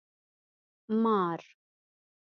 🪱 مار